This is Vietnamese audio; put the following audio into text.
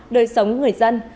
đời sống người dân